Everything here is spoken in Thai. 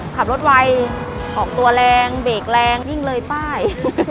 ขับรถไวออกตัวแรงเบรกแรงวิ่งเลยป้าย